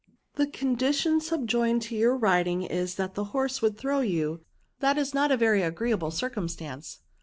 The condition subjoined to your riding is, that the horse would throw you ; that is not a very agreeable circumstance."